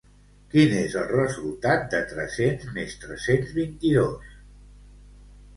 Quin és el resultat de tres-cents més tres-cents vint-i-dos?